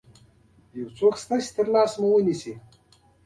زبېښونکي بنسټونه چې مایا رامنځته کړي وو